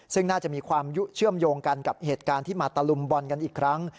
ซึ่งน่าจะมีความยุเชื่อมโยงกันกับเหตุการณ์ที่มาตะลุมบอลกันอีกครั้ง